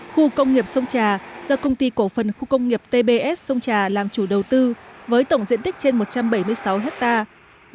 khu công nghiệp sông trà do công ty cổ phần khu công nghiệp tbs sông trà làm chủ đầu tư với tổng diện tích trên một trăm bảy mươi sáu hectare